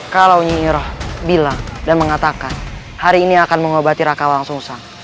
kalau nyihiroh bilang dan mengatakan hari ini akan mengobati raka walang sungusang